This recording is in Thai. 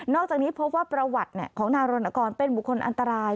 อกจากนี้พบว่าประวัติของนายรณกรเป็นบุคคลอันตราย